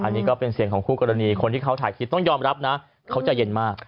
อันนี้ก็เป็นเสียงของคู่กรณีคนที่เขาถ่ายคลิปต้องยอมรับนะเขาใจเย็นมาก